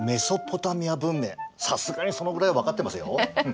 さすがにそのぐらい分かってますよ。